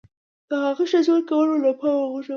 د هغه ښه ژوند کول مو له پامه غورځولي.